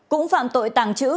cũng phạm tội tàng trữ